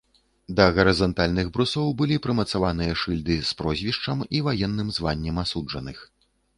Да гарызантальных брусоў былі прымацаваныя шыльды з прозвішчам і ваенным званнем асуджаных.